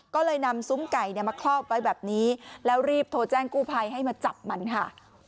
ก็เลยนำซุ้มไก่มาครอบไว้แบบนี้แล้วรีบโทรแจ้งกู้ภัยให้มาจับมันค่ะ